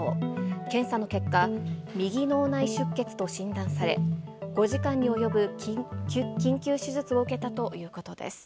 検査の結果、右脳内出血と診断され、５時間に及ぶ緊急手術を受けたということです。